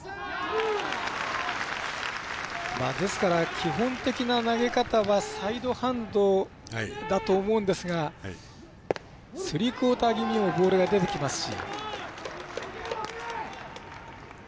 ですから基本的な投げ方はサイドハンドだと思うんですがスリークオーター気味にもボールが出てきますし。